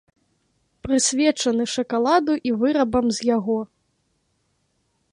Прысвечаны шакаладу і вырабам з яго.